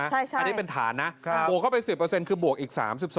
อันนี้เป็นฐานนะบวกเข้าไป๑๐คือบวกอีก๓๒